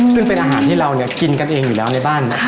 ซึ่งเป็นอาหารที่เรากินกันเองอยู่แล้วในบ้าน